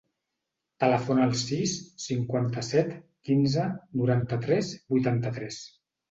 Telefona al sis, cinquanta-set, quinze, noranta-tres, vuitanta-tres.